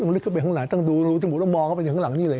ลึกเข้าไปข้างหลังต้องดูรูจมูกแล้วมองเข้าไปถึงข้างหลังนี่เลย